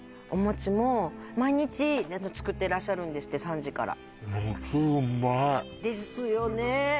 お餅も毎日作ってらっしゃるんですって３時からですよね